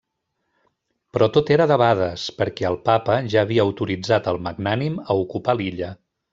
Però tot era debades, perquè el Papa ja havia autoritzat el Magnànim a ocupar l'illa.